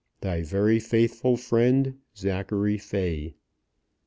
Thy very faithful friend, ZACHARY FAY.